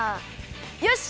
よし！